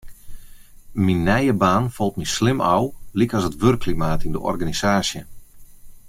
Myn nije baan falt my slim ôf, lykas it wurkklimaat yn de organisaasje.